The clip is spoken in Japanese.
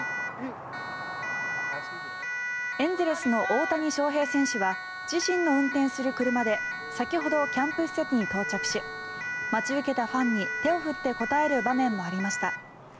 エンゼルスの大谷翔平選手は自身の運転する車で先ほど、キャンプ施設に到着し待ち受けたファンに手を振って応える場面もありました。